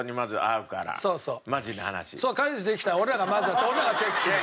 彼氏できたら俺らがまずは俺らがチェックするから。